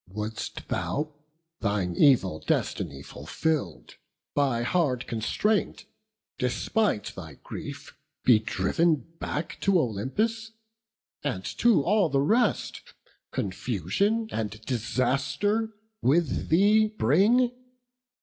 Wouldst thou, thine evil destiny fulfill'd, By hard constraint, despite thy grief, be driv'n Back to Olympus; and to all the rest Confusion and disaster with thee bring?